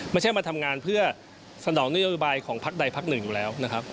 ไม่ใช่มาทำงานเพื่อสนองนโยบายของพักใดพักหนึ่งอยู่แล้วนะครับ